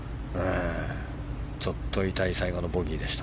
ちょっと痛い最後のボギーでした。